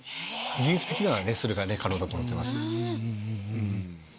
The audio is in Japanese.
技術的にはそれが可能だと思ってます。